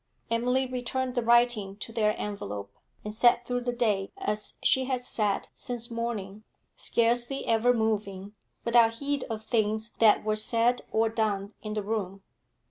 Emily returned the writings to their envelope, and sat through the day as she had sat since morning, scarcely ever moving, without heed of things that were said or done in the room.